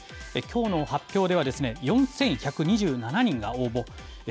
きょうの発表では、４１２７人が応募。